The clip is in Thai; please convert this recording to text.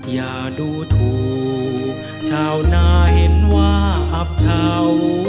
อย่าดูถูกชาวนาเห็นว่าอับเชา